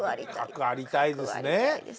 かくありたいですね。